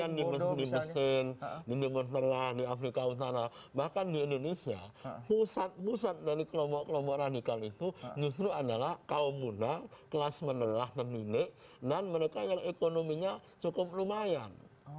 kalau anda lihat pendidikan pendidikan di mesin di nihmer telah di afrika utara bahkan di indonesia pusat pusat dari kelompok kelompok radikal itu justru adalah kaum muda kelas menelah terlindung dan mereka yang ekonominya cukup lumayan